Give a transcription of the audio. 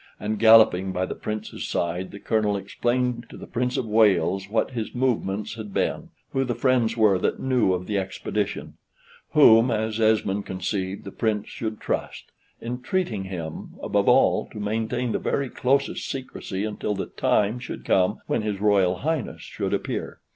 And galloping by the Prince's side the Colonel explained to the Prince of Wales what his movements had been; who the friends were that knew of the expedition; whom, as Esmond conceived, the Prince should trust; entreating him, above all, to maintain the very closest secrecy until the time should come when his Royal Highness should appear.